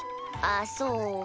あっそう。